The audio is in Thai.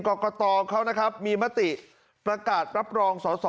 กรกตเขานะครับมีมติประกาศรับรองสอสอ